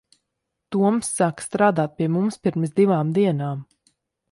Toms sāka strādāt pie mums pirms divām dienām.